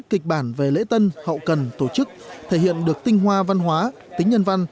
kịch bản về lễ tân hậu cần tổ chức thể hiện được tinh hoa văn hóa tính nhân văn